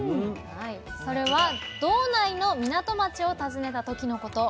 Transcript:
それは道内の港町を訪ねた時のこと。